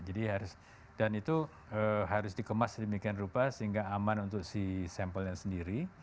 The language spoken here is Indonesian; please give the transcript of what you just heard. jadi harus dan itu harus dikemas sedemikian rupa sehingga aman untuk si sampelnya sendiri